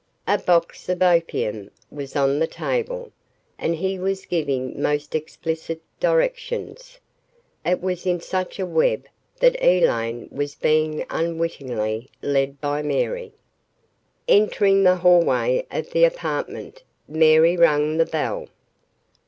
A box of opium was on the table, and he was giving most explicit directions. It was into such a web that Elaine was being unwittingly led by Mary. Entering the hallway of the apartment, Mary rang the bell.